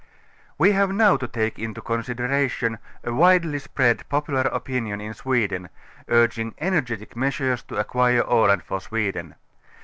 . We have uow to take into consideration a widely spread popular opinion in Sweden, urging energetic measures to acquire Aland for Sweden.